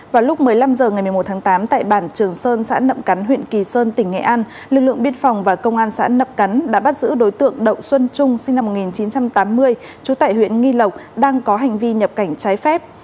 vào lúc một mươi năm h ngày một mươi một tháng tám tại bản trường sơn xã nậm cắn huyện kỳ sơn tỉnh nghệ an lực lượng biên phòng và công an xã nậm cắn đã bắt giữ đối tượng đậu xuân trung sinh năm một nghìn chín trăm tám mươi trú tại huyện nghi lộc đang có hành vi nhập cảnh trái phép